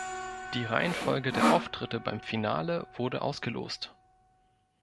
Die Reihenfolge der Auftritte beim Finale wurde ausgelost.